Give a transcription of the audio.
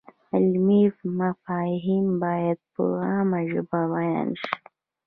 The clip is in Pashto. علمي مفاهیم باید په عامه ژبه بیان شي.